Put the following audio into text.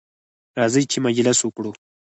راځئ چې مجلس وکړو.